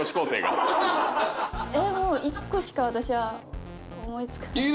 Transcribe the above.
えもう１個しか私は思いつかない。